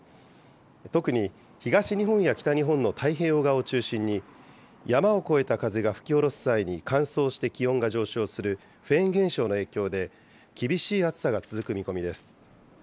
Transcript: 特に東日本や北日本の太平洋側を中心に、山を越えた風が吹き下ろす際に、乾燥して気温が上昇するフェーン現象の影響で、厳しい暑さが続く見込みです。